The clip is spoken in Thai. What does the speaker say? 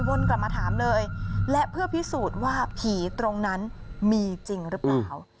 วนกลับมาถามเลยและเพื่อพิสูจน์ว่าผีตรงนั้นมีจริงหรือเปล่า